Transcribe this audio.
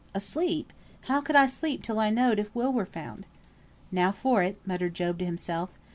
"Asleep! How could I sleep till I knowed if Will were found?" "Now for it," muttered Job to himself.